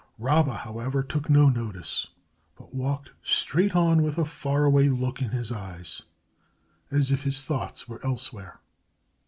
Rabba, however, took no notice, but walked straight on with a faraway look in his eyes, as if his thoughts were elsewhere.